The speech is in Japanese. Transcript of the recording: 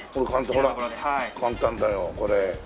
ほら簡単だよこれ。